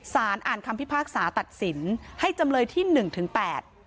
สารอ่านคำพิพากษาตัดสินให้จำเลยที่หนึ่งถึงแปด